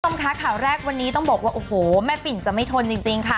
คุณผู้ชมคะข่าวแรกวันนี้ต้องบอกว่าโอ้โหแม่ปิ่นจะไม่ทนจริงค่ะ